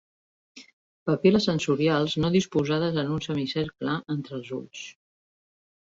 Papil·les sensorials no disposades en un semicercle entre els ulls.